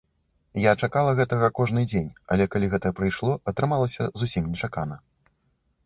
Я чакала гэтага кожны дзень, але калі гэта прыйшло, атрымалася зусім нечакана.